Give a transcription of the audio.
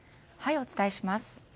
お伝えします。